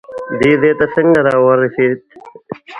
دې ځای ته څنګه راورسېد؟